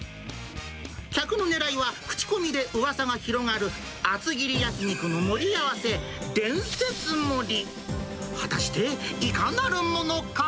客のねらいは、口コミでうわさが広がる、厚切り焼き肉の盛り合わせ、伝説盛り。